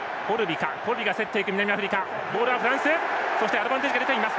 アドバンテージが出ている。